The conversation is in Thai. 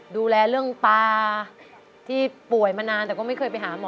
ดูแลเรื่องตาที่ป่วยมานานแต่ก็ไม่เคยไปหาหมอ